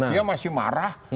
dia masih marah